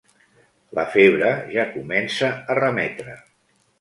La febre ja comença a remetre.